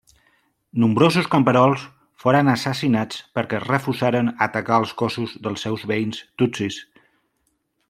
Nombrosos camperols foren assassinats perquè refusaren atacar els cossos dels seus veïns tutsis.